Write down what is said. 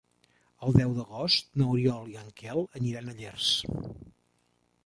El deu d'agost n'Oriol i en Quel aniran a Llers.